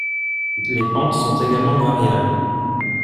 Les pentes sont également variables.